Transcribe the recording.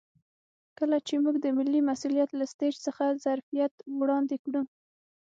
کله چې موږ د ملي مسوولیت له سټیج څخه ظرفیت وړاندې کړو.